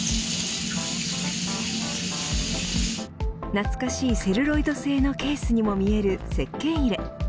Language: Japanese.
懐かしいセルロイド製のケースにも見えるせっけん入れ。